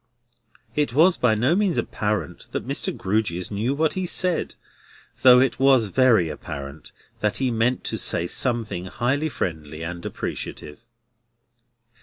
It was by no means apparent that Mr. Grewgious knew what he said, though it was very apparent that he meant to say something highly friendly and appreciative.